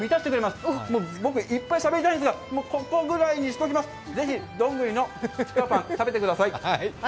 すごくいっぱいしゃべりたいんですが、ここぐらいにしておきます、ぜひどんぐりのちくわパン食べてください。